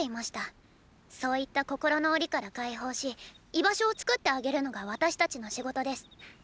そういった心の檻から解放し居場所を作ってあげるのが私たちの仕事です。